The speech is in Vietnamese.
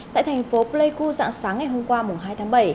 tại thành phố pleiku dạng sáng ngày hôm qua hai tháng bảy